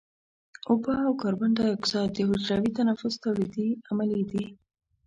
اوبه او کاربن دای اکساید د حجروي تنفس تولیدي عملیې دي.